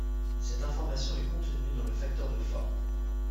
Cette information est contenue dans le facteur de forme.